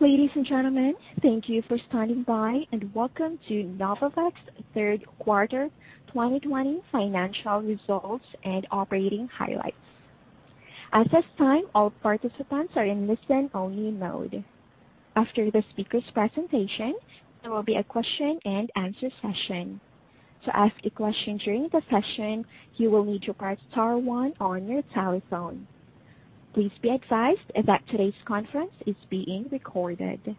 Ladies and gentlemen, thank you for standing by, and welcome to Novavax Third Quarter 2020 Financial Results and Operating Highlights. At this time, all participants are in listen-only mode. After the speaker's presentation, there will be a question-and-answer session. To ask a question during the session, you will need to press star one on your telephone. Please be advised that today's conference is being recorded.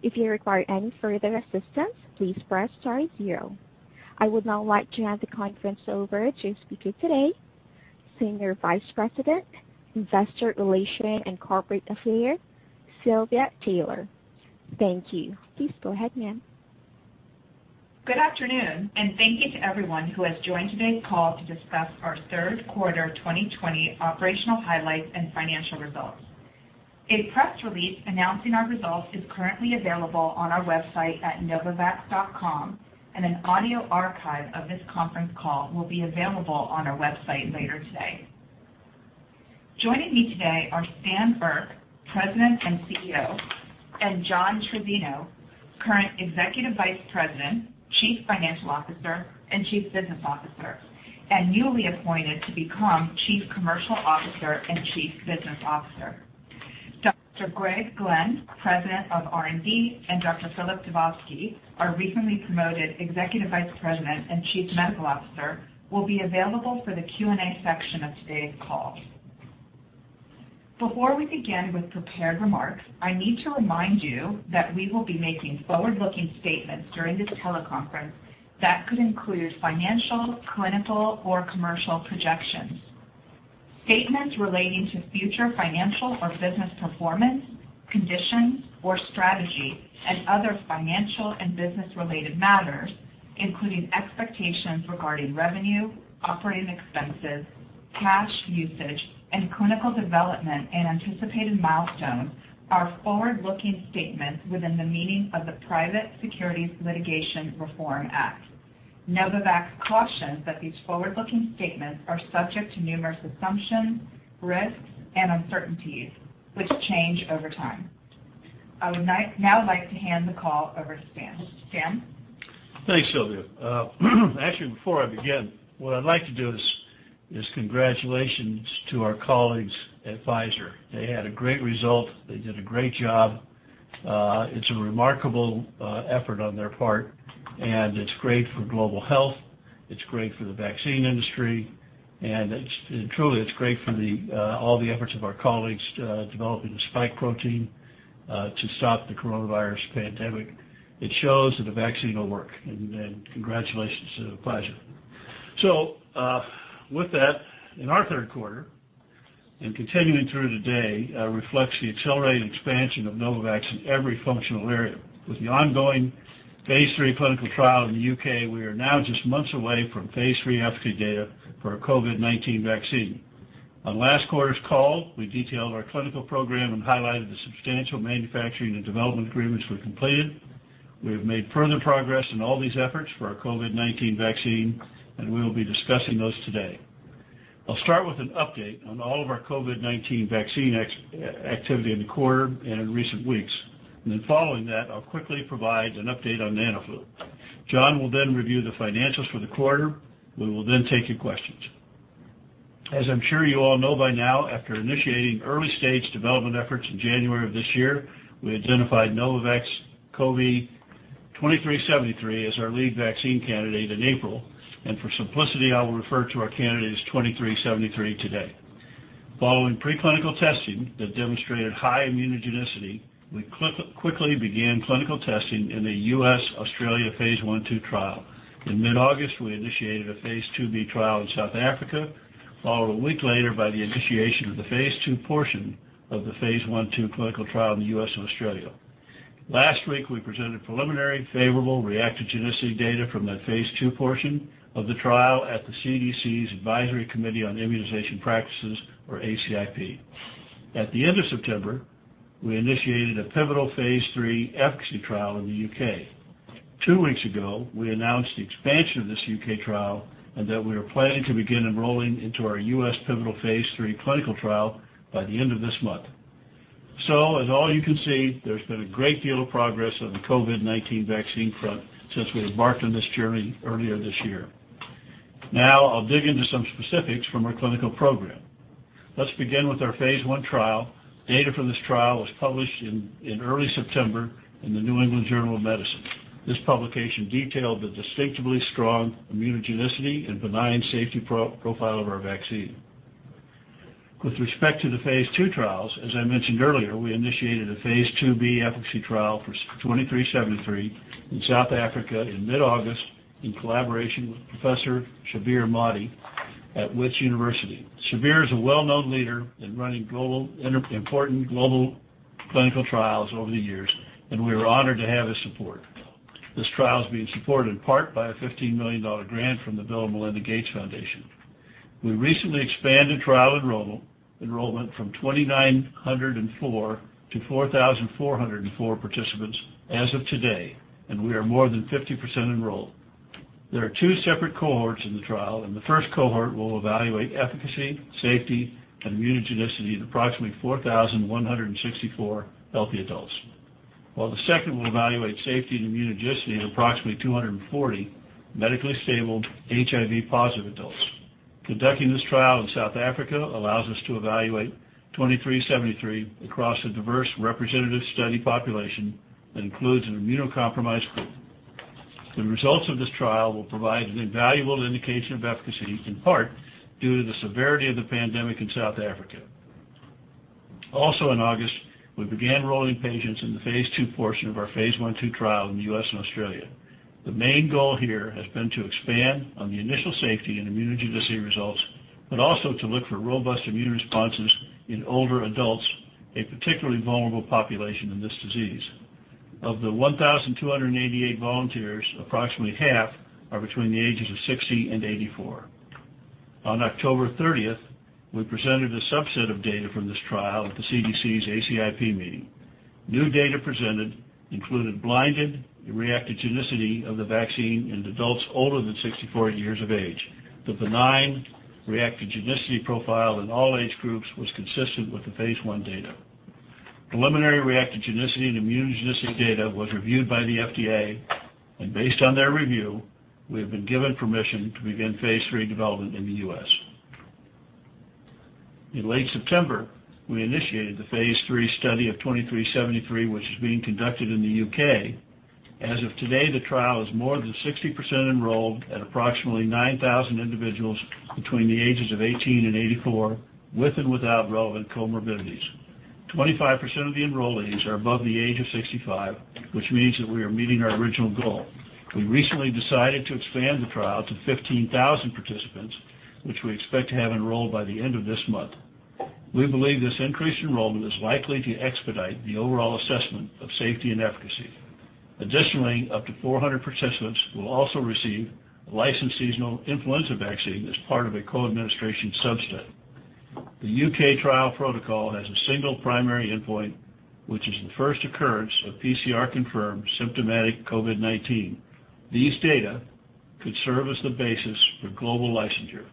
If you require any further assistance, please press star zero. I would now like to hand the conference over to our speaker today, Senior Vice President, Investor Relations and Corporate Affairs, Silvia Taylor. Thank you. Please go ahead, ma'am. Good afternoon, and thank you to everyone who has joined today's call to discuss our Third Quarter 2020 operational highlights and financial results. A press release announcing our results is currently available on our website at novavax.com, and an audio archive of this conference call will be available on our website later today. Joining me today are Stan Erck, President and CEO, and John Trizzino, current Executive Vice President, Chief Financial Officer, and Chief Business Officer, and newly appointed to become Chief Commercial Officer and Chief Business Officer. Dr. Greg Glenn, President of R&D, and Dr. Filip Dubovsky, our recently promoted Executive Vice President and Chief Medical Officer, will be available for the Q&A section of today's call. Before we begin with prepared remarks, I need to remind you that we will be making forward-looking statements during this teleconference that could include financial, clinical, or commercial projections. Statements relating to future financial or business performance, conditions, or strategy, and other financial and business-related matters, including expectations regarding revenue, operating expenses, cash usage, and clinical development and anticipated milestones, are forward-looking statements within the meaning of the Private Securities Litigation Reform Act. Novavax cautions that these forward-looking statements are subject to numerous assumptions, risks, and uncertainties, which change over time. I would now like to hand the call over to Stan. Stan? Thanks, Silvia. Actually, before I begin, what I'd like to do is congratulations to our colleagues at Pfizer. They had a great result. They did a great job. It's a remarkable effort on their part, and it's great for global health. It's great for the vaccine industry, and truly, it's great for all the efforts of our colleagues developing the spike protein to stop the coronavirus pandemic. It shows that a vaccine will work, and congratulations to Pfizer. So with that, in our third quarter, and continuing through today, reflects the accelerated expansion of Novavax in every functional area. With the ongoing phase III clinical trial in the U.K., we are now just months away from phase III efficacy data for our COVID-19 vaccine. On last quarter's call, we detailed our clinical program and highlighted the substantial manufacturing and development agreements we completed. We have made further progress in all these efforts for our COVID-19 vaccine, and we will be discussing those today. I'll start with an update on all of our COVID-19 vaccine activity in the quarter and in recent weeks. And then following that, I'll quickly provide an update on NanoFlu. John will then review the financials for the quarter. We will then take your questions. As I'm sure you all know by now, after initiating early-stage development efforts in January of this year, we identified NVX-CoV2373 as our lead vaccine candidate in April, and for simplicity, I will refer to our candidate as 2373 today. Following pre-clinical testing that demonstrated high immunogenicity, we quickly began clinical testing in the U.S.-Australia phase I-II trial. In mid-August, we initiated a phase IIb trial in South Africa, followed a week later by the initiation of the phase II portion of the phase I-II clinical trial in the U.S. and Australia. Last week, we presented preliminary favorable reactogenicity data from that phase II portion of the trial at the CDC's Advisory Committee on Immunization Practices, or ACIP. At the end of September, we initiated a pivotal phase III efficacy trial in the U.K. Two weeks ago, we announced the expansion of this U.K. trial and that we are planning to begin enrolling into our U.S. pivotal phase III clinical trial by the end of this month. So, as you all can see, there's been a great deal of progress on the COVID-19 vaccine front since we embarked on this journey earlier this year. Now, I'll dig into some specifics from our clinical program. Let's begin with our phase I trial. Data for this trial was published in early September in the New England Journal of Medicine. This publication detailed the distinctively strong immunogenicity and benign safety profile of our vaccine. With respect to the phase II trials, as I mentioned earlier, we initiated a phase II efficacy trial for 2373 in South Africa in mid-August in collaboration with Professor Shabir Madhi at the University of the Witwatersrand. Shabir is a well-known leader in running important global clinical trials over the years, and we are honored to have his support. This trial is being supported in part by a $15 million grant from the Bill & Melinda Gates Foundation. We recently expanded trial enrollment from 2,904 to 4,404 participants as of today, and we are more than 50% enrolled. There are two separate cohorts in the trial, and the first cohort will evaluate efficacy, safety, and immunogenicity in approximately 4,164 healthy adults, while the second will evaluate safety and immunogenicity in approximately 240 medically stable HIV-positive adults. Conducting this trial in South Africa allows us to evaluate 2373 across a diverse representative study population that includes an immunocompromised group. The results of this trial will provide an invaluable indication of efficacy, in part due to the severity of the pandemic in South Africa. Also, in August, we began enrolling patients in the phase II portion of our phase I-II trial in the U.S. and Australia. The main goal here has been to expand on the initial safety and immunogenicity results, but also to look for robust immune responses in older adults, a particularly vulnerable population in this disease. Of the 1,288 volunteers, approximately half are between the ages of 60 and 84. On October 30th, we presented a subset of data from this trial at the CDC's ACIP meeting. New data presented included blinded reactogenicity of the vaccine in adults older than 64 years of age. The benign reactogenicity profile in all age groups was consistent with the phase I data. Preliminary reactogenicity and immunogenicity data was reviewed by the FDA, and based on their review, we have been given permission to begin phase III development in the U.S. In late September, we initiated the phase III study of 2373, which is being conducted in the U.K. As of today, the trial is more than 60% enrolled at approximately 9,000 individuals between the ages of 18 and 84, with and without relevant comorbidities. 25% of the enrollees are above the age of 65, which means that we are meeting our original goal. We recently decided to expand the trial to 15,000 participants, which we expect to have enrolled by the end of this month. We believe this increased enrollment is likely to expedite the overall assessment of safety and efficacy. Additionally, up to 400 participants will also receive a licensed seasonal influenza vaccine as part of a co-administration subset. The U.K. trial protocol has a single primary endpoint, which is the first occurrence of PCR-confirmed symptomatic COVID-19. These data could serve as the basis for global licensure.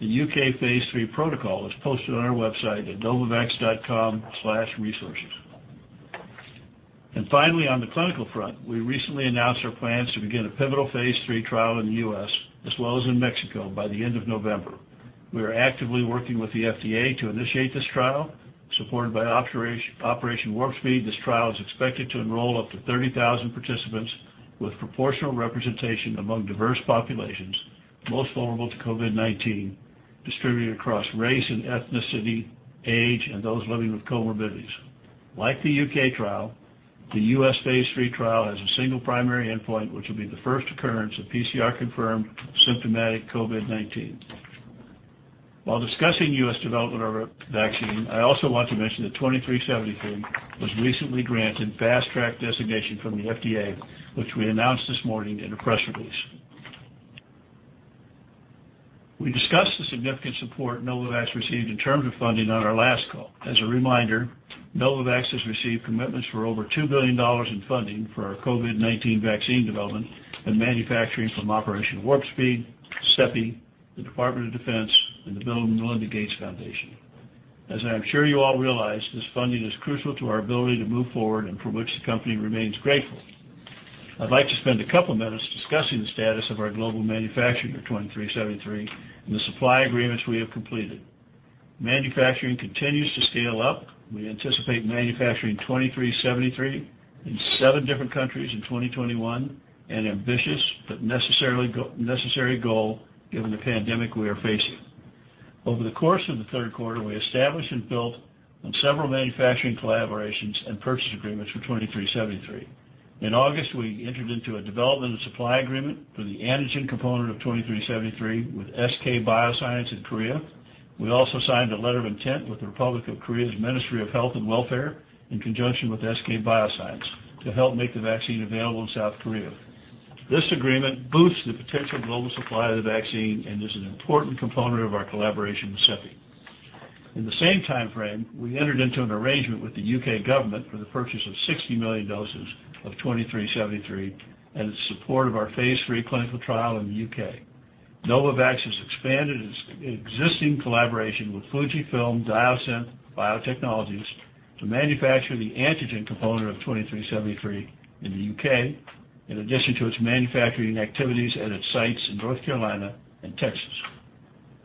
The U.K. phase III protocol is posted on our website at novavax.com/resources. Finally, on the clinical front, we recently announced our plans to begin a pivotal phase III trial in the U.S., as well as in Mexico, by the end of November. We are actively working with the FDA to initiate this trial. Supported by Operation Warp Speed, this trial is expected to enroll up to 30,000 participants with proportional representation among diverse populations, most vulnerable to COVID-19, distributed across race and ethnicity, age, and those living with comorbidities. Like the U.K. trial, the U.S. phase III trial has a single primary endpoint, which will be the first occurrence of PCR-confirmed symptomatic COVID-19. While discussing U.S. development of our vaccine, I also want to mention that 2373 was recently granted fast-track designation from the FDA, which we announced this morning in a press release. We discussed the significant support Novavax received in terms of funding on our last call. As a reminder, Novavax has received commitments for over $2 billion in funding for our COVID-19 vaccine development and manufacturing from Operation Warp Speed, CEPI, the Department of Defense, and the Bill & Melinda Gates Foundation. As I'm sure you all realize, this funding is crucial to our ability to move forward and for which the company remains grateful. I'd like to spend a couple of minutes discussing the status of our global manufacturing of 2373 and the supply agreements we have completed. Manufacturing continues to scale up. We anticipate manufacturing 2373 in seven different countries in 2021, an ambitious but necessary goal given the pandemic we are facing. Over the course of the third quarter, we established and built on several manufacturing collaborations and purchase agreements for 2373. In August, we entered into a development and supply agreement for the antigen component of 2373 with SK Bioscience in Korea. We also signed a letter of intent with the Republic of Korea's Ministry of Health and Welfare in conjunction with SK Bioscience to help make the vaccine available in South Korea. This agreement boosts the potential global supply of the vaccine and is an important component of our collaboration with CEPI. In the same timeframe, we entered into an arrangement with the U.K. government for the purchase of 60 million doses of 2373 and the support of our phase III clinical trial in the U.K. Novavax has expanded its existing collaboration with Fujifilm Diosynth Biotechnologies to manufacture the antigen component of 2373 in the U.K., in addition to its manufacturing activities at its sites in North Carolina and Texas.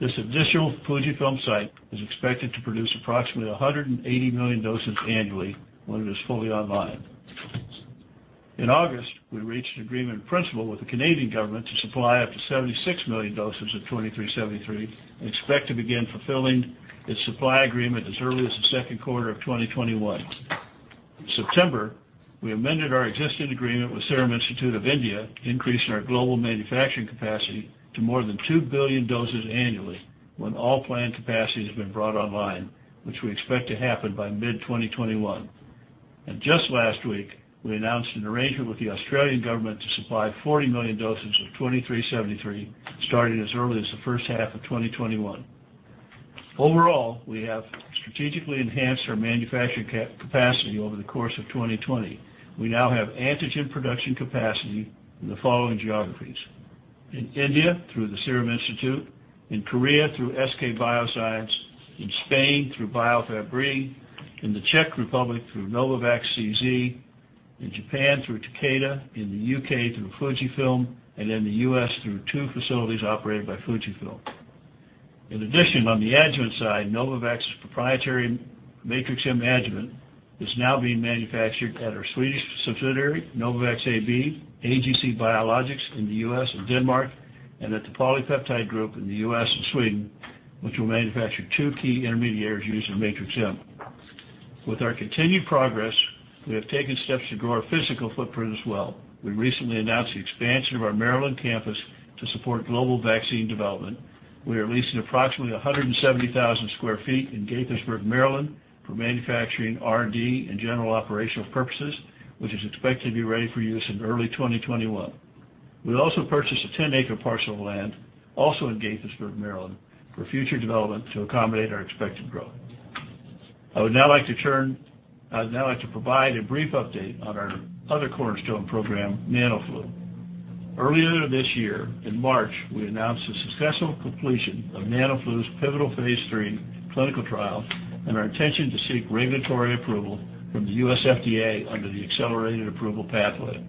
This additional Fujifilm site is expected to produce approximately 180 million doses annually when it is fully online. In August, we reached an agreement in principle with the Canadian government to supply up to 76 million doses of 2373 and expect to begin fulfilling its supply agreement as early as the second quarter of 2021. In September, we amended our existing agreement with Serum Institute of India, increasing our global manufacturing capacity to more than 2 billion doses annually when all planned capacity has been brought online, which we expect to happen by mid-2021. And just last week, we announced an arrangement with the Australian government to supply 40 million doses of 2373 starting as early as the first half of 2021. Overall, we have strategically enhanced our manufacturing capacity over the course of 2020. We now have antigen production capacity in the following geographies: in India through the Serum Institute, in Korea through SK Bioscience, in Spain through Biofabri, in the Czech Republic through Novavax CZ, in Japan through Takeda, in the U.K. through Fujifilm, and in the U.S. through two facilities operated by Fujifilm. In addition, on the adjuvant side, Novavax's proprietary Matrix-M adjuvant is now being manufactured at our Swedish subsidiary, Novavax AB, AGC Biologics in the U.S. and Denmark, and at the PolyPeptide Group in the U.S. and Sweden, which will manufacture two key intermediaries using Matrix-M. With our continued progress, we have taken steps to grow our physical footprint as well. We recently announced the expansion of our Maryland campus to support global vaccine development. We are leasing approximately 170,000 sq ft in Gaithersburg, Maryland, for manufacturing, R&D, and general operational purposes, which is expected to be ready for use in early 2021. We also purchased a 10-acre parcel of land, also in Gaithersburg, Maryland, for future development to accommodate our expected growth. I would now like to provide a brief update on our other cornerstone program, NanoFlu. Earlier this year, in March, we announced the successful completion of NanoFlu's pivotal phase III clinical trial and our intention to seek regulatory approval from the U.S. FDA under the accelerated approval pathway.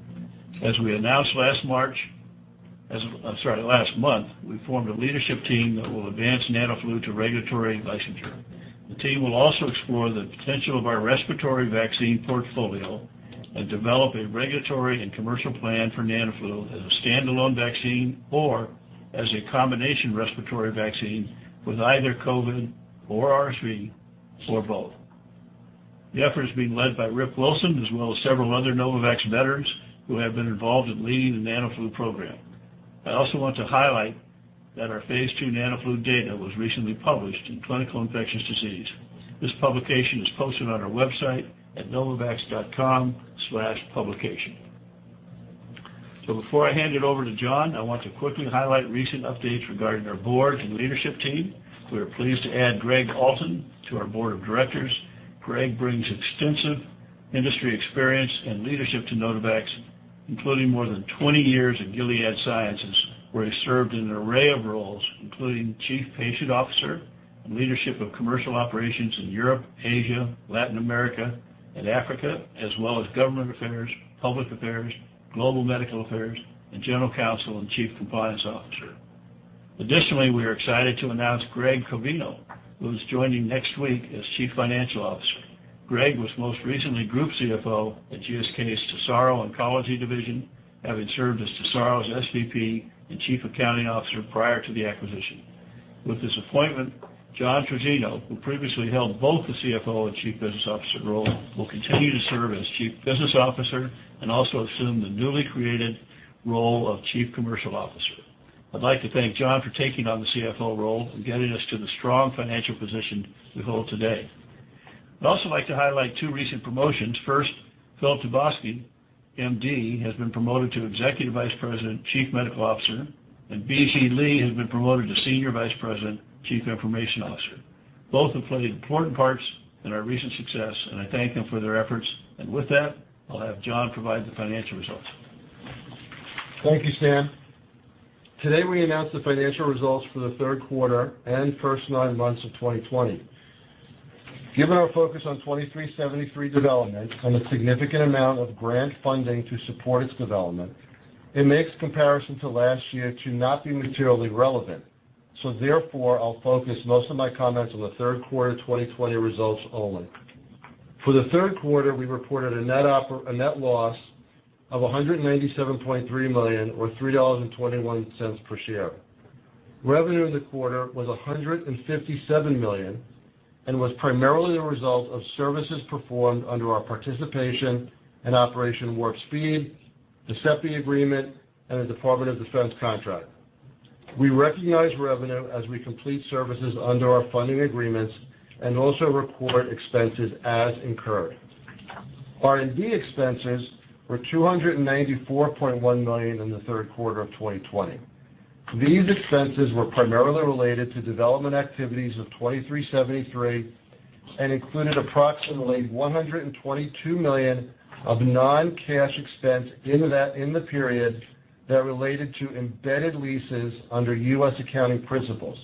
As we announced last month, we formed a leadership team that will advance NanoFlu to regulatory licensure. The team will also explore the potential of our respiratory vaccine portfolio and develop a regulatory and commercial plan for NanoFlu as a standalone vaccine or as a combination respiratory vaccine with either COVID or RSV or both. The effort is being led by Rick Wilson, as well as several other Novavax veterans who have been involved in leading the NanoFlu program. I also want to highlight that our phase II NanoFlu data was recently published in Clinical Infectious Diseases. This publication is posted on our website at novavax.com/publication. So before I hand it over to John, I want to quickly highlight recent updates regarding our board and leadership team. We are pleased to add Gregg Alton to our board of directors. Gregg brings extensive industry experience and leadership to Novavax, including more than 20 years in Gilead Sciences, where he served in an array of roles, including Chief Patient Officer and leadership of commercial operations in Europe, Asia, Latin America, and Africa, as well as government affairs, public affairs, global medical affairs, and general counsel and Chief Compliance Officer. Additionally, we are excited to announce Gregg Covino, who is joining next week as Chief Financial Officer. Gregg was most recently Group CFO at GSK's Tesaro Oncology Division, having served as Tesaro's SVP and Chief Accounting Officer prior to the acquisition. With this appointment, John Trizzino, who previously held both the CFO and Chief Business Officer role, will continue to serve as Chief Business Officer and also assume the newly created role of Chief Commercial Officer. I'd like to thank John for taking on the CFO role and getting us to the strong financial position we hold today. I'd also like to highlight two recent promotions. First, Filip Dubovsky, M.D., has been promoted to Executive Vice President, Chief Medical Officer, and B.G. Lee has been promoted to Senior Vice President, Chief Information Officer. Both have played important parts in our recent success, and I thank them for their efforts. And with that, I'll have John provide the financial results. Thank you, Stan. Today, we announced the financial results for the third quarter and first nine months of 2020. Given our focus on 2373 development and the significant amount of grant funding to support its development, it makes comparison to last year to not be materially relevant. So therefore, I'll focus most of my comments on the third quarter 2020 results only. For the third quarter, we reported a net loss of $197.3 million, or $3.21 per share. Revenue in the quarter was $157 million and was primarily the result of services performed under our participation and Operation Warp Speed, the CEPI agreement, and the Department of Defense contract. We recognize revenue as we complete services under our funding agreements and also report expenses as incurred. R&D expenses were $294.1 million in the third quarter of 2020. These expenses were primarily related to development activities of 2373 and included approximately $122 million of non-cash expense in the period that related to embedded leases under U.S. accounting principles.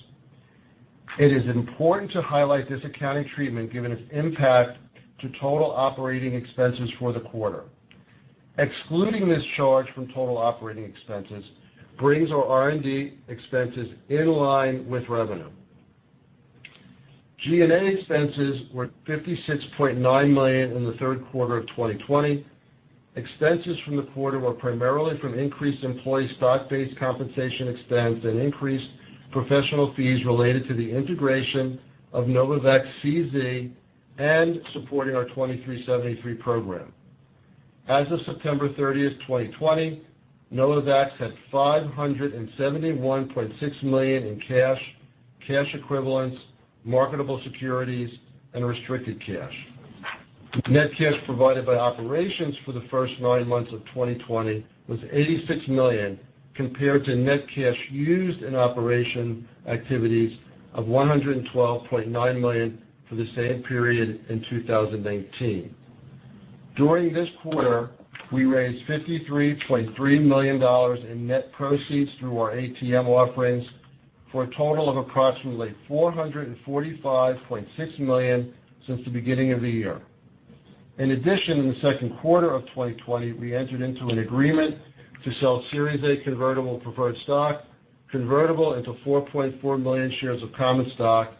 It is important to highlight this accounting treatment given its impact to total operating expenses for the quarter. Excluding this charge from total operating expenses brings our R&D expenses in line with revenue. G&A expenses were $56.9 million in the third quarter of 2020. Expenses from the quarter were primarily from increased employee stock-based compensation expense and increased professional fees related to the integration of Novavax CZ and supporting our 2373 program. As of September 30, 2020, Novavax had $571.6 million in cash, cash equivalents, marketable securities, and restricted cash. Net cash provided by operations for the first nine months of 2020 was $86 million compared to net cash used in operating activities of $112.9 million for the same period in 2019. During this quarter, we raised $53.3 million in net proceeds through our ATM offerings for a total of approximately $445.6 million since the beginning of the year. In addition, in the second quarter of 2020, we entered into an agreement to sell Series A convertible preferred stock convertible into 4.4 million shares of common stock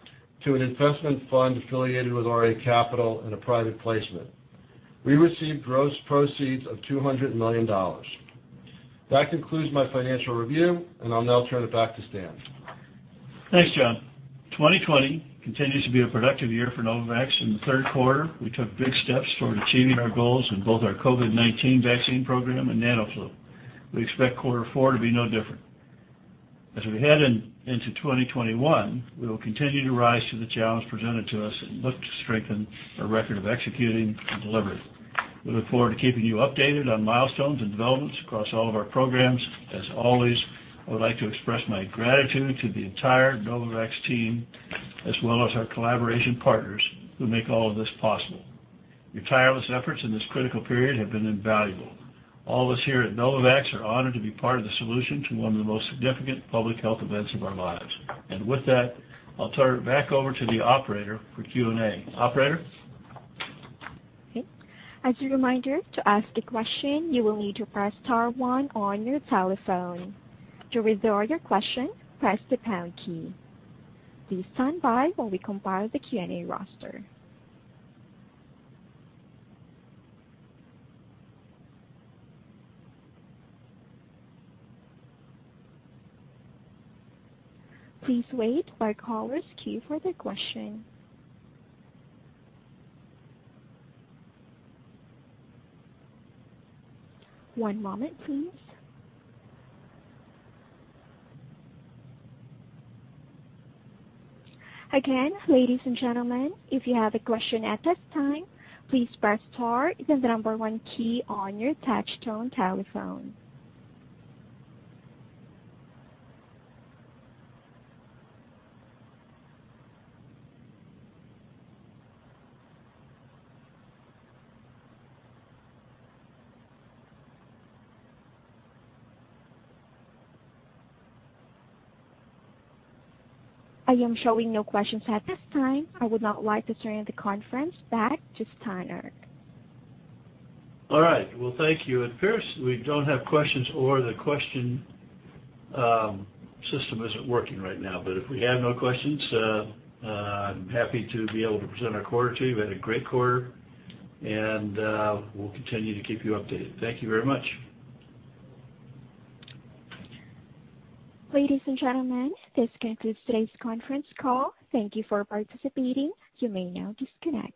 to an investment fund affiliated with RA Capital in a private placement. We received gross proceeds of $200 million. That concludes my financial review, and I'll now turn it back to Stan. Thanks, John. 2020 continues to be a productive year for Novavax. In the third quarter, we took big steps toward achieving our goals in both our COVID-19 vaccine program and NanoFlu. We expect quarter four to be no different. As we head into 2021, we will continue to rise to the challenge presented to us and look to strengthen our record of executing and delivery. We look forward to keeping you updated on milestones and developments across all of our programs. As always, I would like to express my gratitude to the entire Novavax team as well as our collaboration partners who make all of this possible. Your tireless efforts in this critical period have been invaluable. All of us here at Novavax are honored to be part of the solution to one of the most significant public health events of our lives. And with that, I'll turn it back over to the operator for Q&A. Operator. Okay. As a reminder, to ask a question, you will need to press star one on your telephone. To resolve your question, press the pound key. Please stand by while we compile the Q&A roster. Please wait while callers queue for their question. One moment, please. Again, ladies and gentlemen, if you have a question at this time, please press star and then the number one key on your touch-tone telephone. I am showing no questions at this time. I would now like to turn the conference back to Stan Erck. All right. Well, thank you. At first, we don't have questions or the question system isn't working right now. But if we have no questions, I'm happy to be able to present our quarter to you. We had a great quarter, and we'll continue to keep you updated. Thank you very much. Ladies and gentlemen, this concludes today's conference call. Thank you for participating. You may now disconnect.